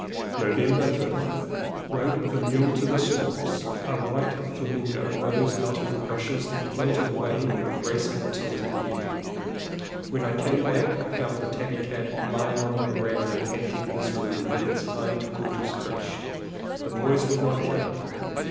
November 5th. Rode the mule to the swamps. A white flamingo rose out of the rushes and floated away with graceful tilted head. When I came back I found the tabby cat lying on the verandah panting miserably and with its hind quarters crushed. The boys would not kill it.